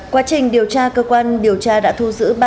quá trình điều tra cơ quan điều tra đã thu giữ ba xe mô tố